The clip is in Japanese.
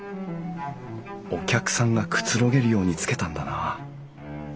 お客さんがくつろげるようにつけたんだな。